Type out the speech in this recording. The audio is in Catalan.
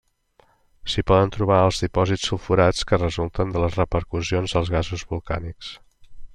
S'hi poden trobar els dipòsits sulfurats que resulten de les repercussions dels gasos volcànics.